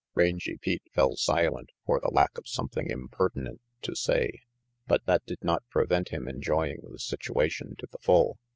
Rangy Pete fell silent for the lack of something impertinent to say, but that did not prevent him enjoying the situation to the full.